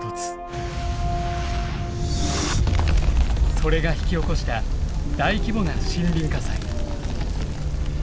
それが引き起こした大規模な森林火災。